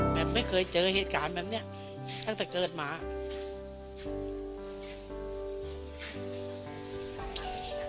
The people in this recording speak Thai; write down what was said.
ไม่เคยเจอเหตุการณ์แบบนี้ตั้งแต่เกิดมา